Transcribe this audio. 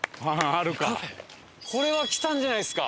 これはきたんじゃないですか？